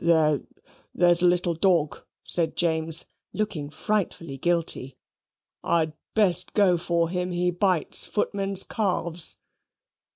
"There there's a little dawg," said James, looking frightfully guilty. "I'd best go for him. He bites footmen's calves."